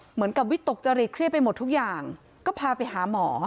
เหมือนกับวิตกจริตเครียดไปหมดทุกอย่างก็พาไปหาหมอ